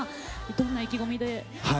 どんな意気込みで？